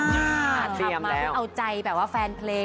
กลับมาเอาใจแบบว่าแฟนเพลง